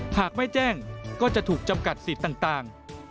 หากไม่แจ้งก็จะถูกจำกัดสิทธิ์ต่าง